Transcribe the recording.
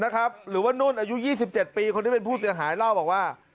เครื่องที่คุยค่ะ